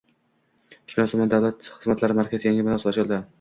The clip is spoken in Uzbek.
Chinoz tuman Davlat xizmatlari markazi yangi binosi ochildi